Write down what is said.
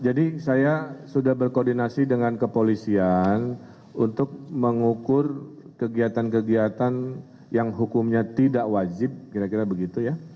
saya sudah berkoordinasi dengan kepolisian untuk mengukur kegiatan kegiatan yang hukumnya tidak wajib kira kira begitu ya